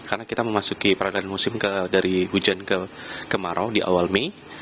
karena kita memasuki peradaan musim dari hujan ke marau di awal mei